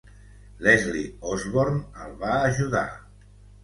Leslie Osborne el va ajudar.